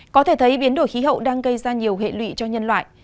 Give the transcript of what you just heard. có thể thấy biến đổi khí hậu đang gây ra nhiều hệ lụy cho nhân loại